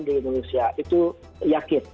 di indonesia itu yakin